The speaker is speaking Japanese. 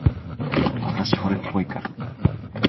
あたし、惚れっぽいから。